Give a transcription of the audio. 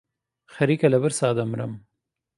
خەریکە لە برسا دەمرم.